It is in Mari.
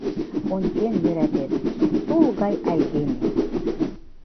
Ончен йӧратет, тул гай айдеме.